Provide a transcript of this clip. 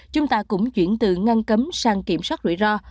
chúng ta cũng chuyển từ ngăn cấm sang kiểm soát rủi ro